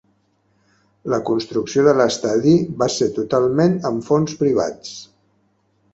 La construcció de l'estadi va ser totalment amb fons privats.